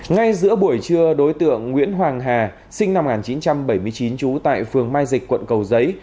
ngay giữa buổi trưa đối tượng nguyễn hoàng hà sinh năm một nghìn chín trăm bảy mươi chín trú tại phường mai dịch quận cầu giấy